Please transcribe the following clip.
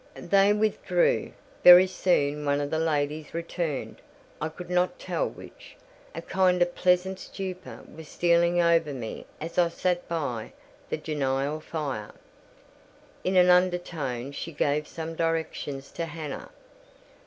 They withdrew. Very soon one of the ladies returned—I could not tell which. A kind of pleasant stupor was stealing over me as I sat by the genial fire. In an undertone she gave some directions to Hannah.